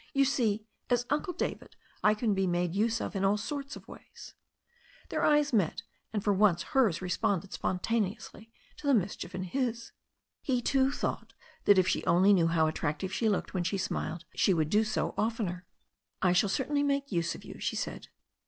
You see, as Uncle David^ I can be made use of in all sorts of ways." Their eyes met, and for once hers responded spon taneously to the mischief in his. He, too, thought that if THE STORY OF A NEW ZEALAND RIVER i6i she only knew how attractive she looked when she smiled she would do so oftener. "I shall certainly make use of you," she said.